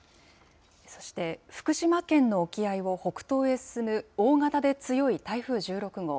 そして、福島県の沖合を北東へ進む大型で強い台風１６号。